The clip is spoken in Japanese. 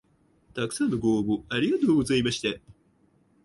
たくさんのご応募ありがとうございました